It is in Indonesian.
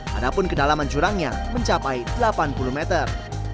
padahal kedalaman jurangnya mencapai delapan puluh meter